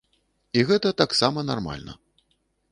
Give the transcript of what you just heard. І гэта таксама нармальна.